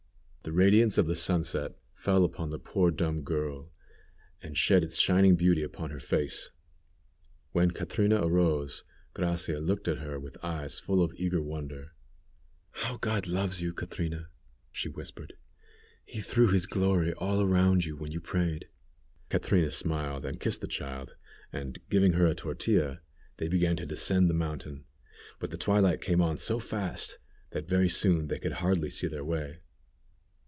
The radiance of the sunset fell upon the poor dumb girl, and shed its shining beauty upon her face. When Catrina arose, Gracia looked at her with eyes full of eager wonder. "How God loves you, Catrina," she whispered. "He threw his glory all around you when you prayed." Catrina smiled and kissed the child, and giving her a tortilla, they began to descend the mountain, but the twilight came on so fast that very soon they could hardly see their way.